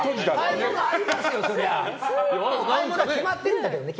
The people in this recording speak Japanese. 買うもの、決まってるんだけどね。